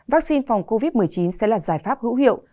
vaccine phòng covid một mươi chín sẽ là giải pháp hữu hiệu